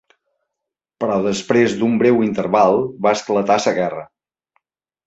Però després d'un breu interval va esclatar la guerra.